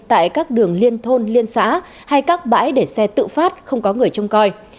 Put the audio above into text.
tại các đường liên thôn liên xã hay các bãi để xe tự phát không có người trông coi